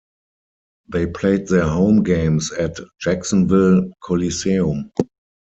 They played their home games at Jacksonville Coliseum.